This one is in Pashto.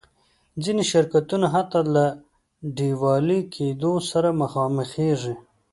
ځینې شرکتونه حتی له ډیوالي کېدو سره مخامخېږي.